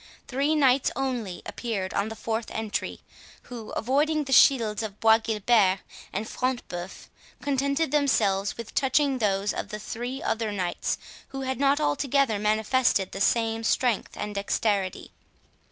Three knights only appeared on the fourth entry, who, avoiding the shields of Bois Guilbert and Front de Bœuf, contented themselves with touching those of the three other knights, who had not altogether manifested the same strength and dexterity.